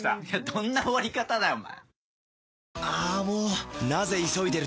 どんな終わり方だよお前！